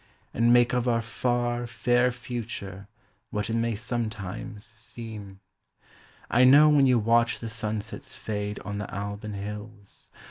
And make of our far, fair future what it may some times seem, I know when you watch the sunsets fade on the Alban hills.